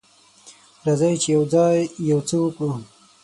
راځئ چې یوځای یو څه وکړو.